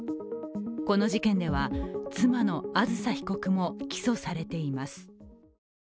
この事件では、妻のあずさ被告も起訴されています。